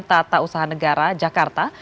tata usaha negara jakarta